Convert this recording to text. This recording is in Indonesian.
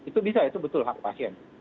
itu bisa itu betul hak pasien